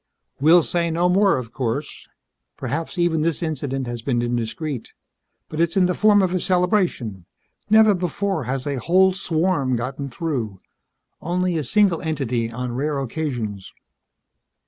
"We'll say no more, of course. Perhaps even this incident has been indiscreet. But it's in the form of a celebration. Never before has a whole swarm gotten through. Only a single entity on rare occasions."